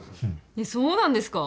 えっそうなんですか？